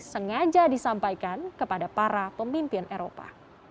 sengaja disampaikan kepada para pemimpin eropa